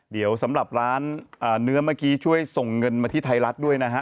เดี๋ยวสำหรับร้านเนื้อเมื่อกี้ช่วยส่งเงินมาที่ไทยรัฐด้วยนะฮะ